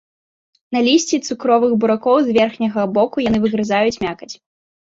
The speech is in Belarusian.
На лісці цукровых буракоў з верхняга боку яны выгрызаюць мякаць.